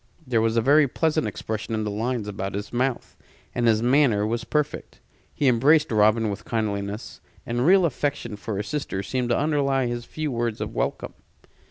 There was a very pleasant expression in the lines about his mouth, and his manner was perfect. He embraced Robin with kindliness; and real affection for his sister seemed to underlie his few words of welcome.